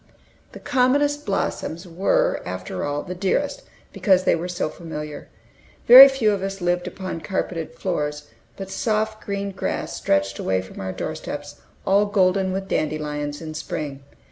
The commonest blossoms were, after all, the dearest, because they were so familiar. Very few of us lived upon carpeted floors, but soft green grass stretched away from our door steps, all golden with dandelions in spring.